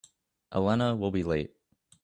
Elena will be late.